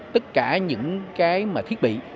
tất cả những cái thiết bị